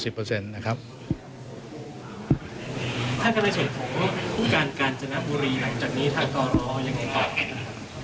ถ้าเกราะเฉยของภูการการจะนับบุรีหลังจากนี้ท่านกรรยังไงต่อ